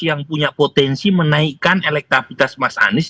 yang punya potensi menaikkan elektabilitas mas anies